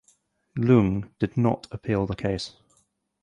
Leung did not appeal the case.